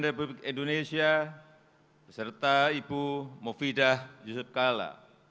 republik indonesia beserta ibu mufidah yusuf kala